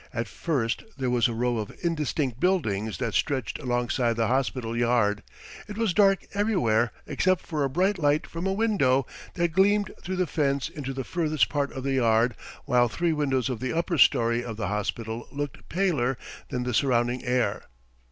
At first there was a row of indistinct buildings that stretched alongside the hospital yard; it was dark everywhere except for a bright light from a window that gleamed through the fence into the furthest part of the yard while three windows of the upper storey of the hospital looked paler than the surrounding air.